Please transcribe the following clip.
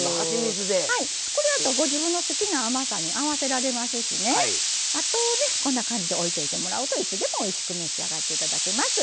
これだとご自分の好きな甘さにできますしあとね、こうやって置いといてもらうといつでもおいしく召し上がっていただけます。